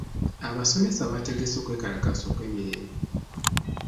Abasomesa baategese okwekalakaasa okw'emirembe.